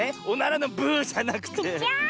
おならのブーじゃなくて。